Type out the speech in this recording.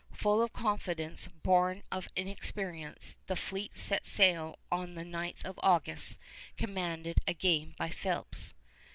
Full of confidence born of inexperience, the fleet set sail on the 9th of August, commanded again by Phips.